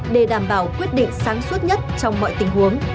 để đảm bảo quyết định sáng suốt nhất trong mọi tình huống